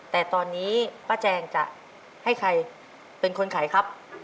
แต่ตอนนี้ป้าแจงจะให้ใครเป็นคนขายครับ